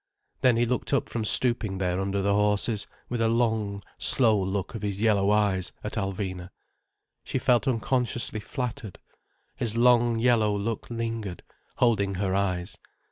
Then, he looked up from stooping there under the horses, with a long, slow look of his yellow eyes, at Alvina. She felt unconsciously flattered. His long, yellow look lingered, holding her eyes.